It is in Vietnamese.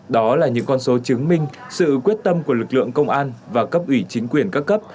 đó là những con số chứng minh sự quyết tâm của lực lượng công an và cấp ủy chính quyền các cấp